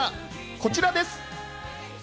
こちらです。